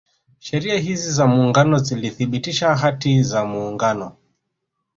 Sheria hizi za Muungano zilithibitisha Hati za Muungano